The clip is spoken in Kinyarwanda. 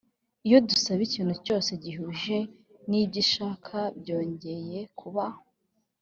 iyo dusabye ikintu cyose gihuje n ibyo ishaka Byongeye kuba